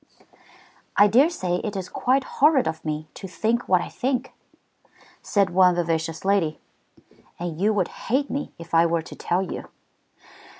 "I dare say it is quite horrid of me to think what I think," said one vivacious lady, "and you would hate me if I were to tell you."